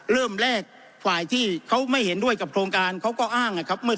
เริ่มแรกฝ่ายที่เขาไม่เห็นด้วยกับโครงการเขาก็อ้างนะครับ